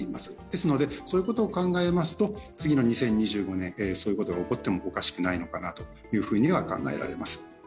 ですので、そういうことを考えますと、次の２０２５年そういうことが起こってもおかしくないのかなというふうには考えられます。